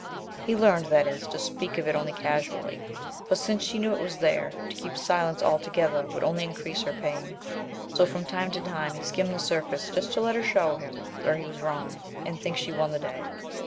He learned, that is, to speak of it only casually, for since she knew it was there, to keep silence altogether would only increase her pain. So from time to time he skimmed the surface just to let her show him where he was wrong and think she won the day.